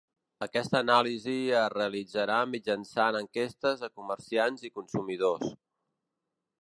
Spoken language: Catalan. Aquesta anàlisi es realitzarà mitjançant enquestes a comerciants i consumidors.